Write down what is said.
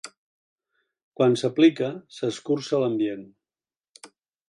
Quan s'aplica, s'escurça l'ambient.